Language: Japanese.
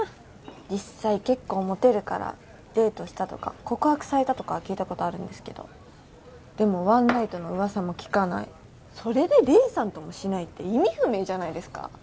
実際結構モテるからデートしたとか告白されたとかは聞いたことあるんですけどでもワンナイトの噂も聞かないそれで黎さんともシないって意味不明じゃないですか？